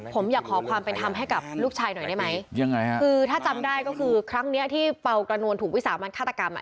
ผมอยากขอความเป็นธรรมให้กับลูกชายหน่อยได้ไหมยังไงฮะคือถ้าจำได้ก็คือครั้งเนี้ยที่เปล่ากระนวลถูกวิสามันฆาตกรรมอ่ะ